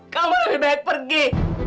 kamu lebih baik pergi